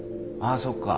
ああそっか。